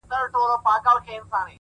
ژوند پکي اور دی’ آتشستان دی’